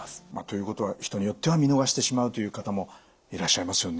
ということは人によっては見逃してしまうという方もいらっしゃいますよね。